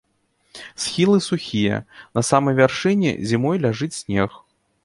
Схілы сухія, на самай вяршыні зімой ляжыць снег.